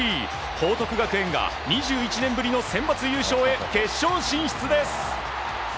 報徳学園が２１年ぶりのセンバツ優勝へ決勝進出です。